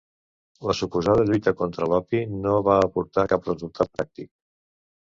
La suposada lluita contra l'opi no va aportar cap resultat pràctic.